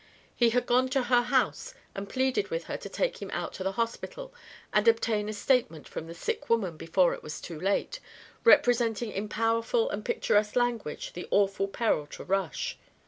He had gone to her house and pleaded with her to take him out to the hospital and obtain a statement from the sick woman before it was too late, representing in powerful and picturesque language the awful peril of Rush.